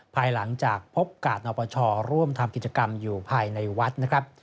ภายหลังจากพบกาศนปชร่วมทำกิจกรรมอยู่ภายในวัดนะครับ